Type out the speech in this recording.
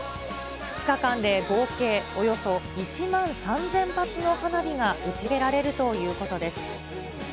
２日間で合計およそ１万３０００発の花火が打ち上げられるということです。